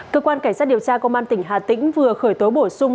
cơ quan cảnh sát điều tra công an tỉnh hà tĩnh vừa khởi tố bổ sung